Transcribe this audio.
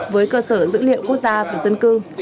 với cơ sở dữ liệu quốc gia về dân cư